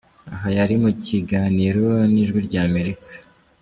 Aha yari mu kiganiro na Ijwi ry’Amerika.